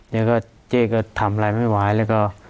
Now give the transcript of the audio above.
แล้วก็เจ๊ก็ทำอะไรไม่ไหวแล้วก็